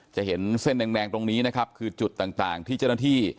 จะเห็นเส้นแดงตรงนี้นะครับคือจุดต่างที่เจ้าหน้าที่